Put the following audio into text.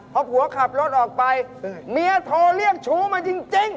พอผัวขับรถออกไปเมียโทรเรียกชู้มาจริง